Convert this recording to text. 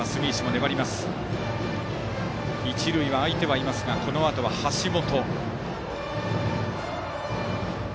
一塁は空いてはいますがこのあとは橋本。